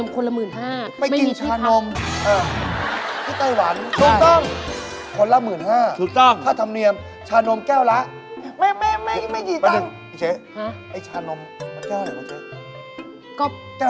ก็ไปกินชานมน่ะ